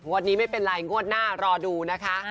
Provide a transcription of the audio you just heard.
วันนี้ไม่เป็นไรงวดหน้ารอดูนะคะ